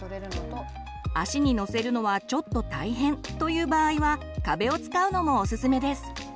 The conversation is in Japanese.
足に乗せるのはちょっと大変という場合は壁を使うのもおすすめです。